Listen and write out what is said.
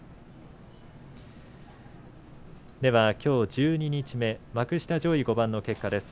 きょう十二日目幕下上位５番の結果です。